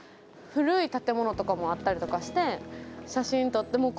古い建物とかもあったりとかして写真撮って。